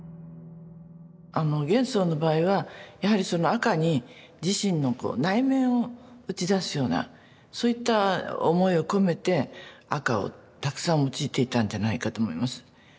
元宋の場合はやはりその赤に自身の内面を打ち出すようなそういった思いを込めて赤をたくさん用いていたんじゃないかと思います。